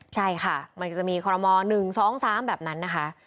ใช่ค่ะมันก็จะมีคอรมอ๑๒๓แบบนั้นนะคะ